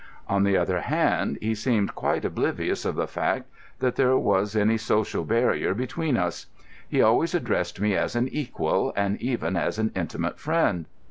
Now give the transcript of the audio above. On the other hand he seemed quite oblivious of the fact that there was any social barrier between us. He always addressed me as an equal, and even as an intimate friend.